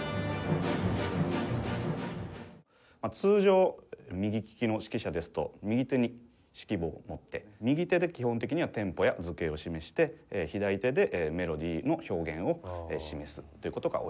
通常右ききの指揮者ですと右手に指揮棒を持って右手で基本的にはテンポや図形を示して左手でメロディの表現を示すという事が多いです。